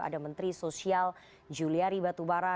ada menteri sosial julia ribatubara